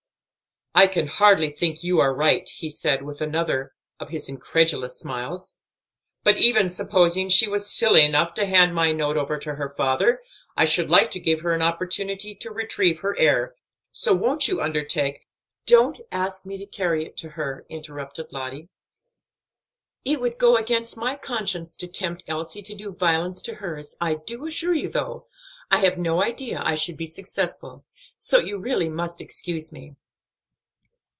"I can hardly think you are right," he said, with another of his incredulous smiles, "but even supposing she was silly enough to hand my note over to her father, I should like to give her an opportunity to retrieve her error, so won't you undertake" "Don't ask me to carry it to her," interrupted Lottie. "It would go against my conscience to tempt Elsie to do violence to hers, I do assure you, though I have no idea I should be successful. So you really must excuse me."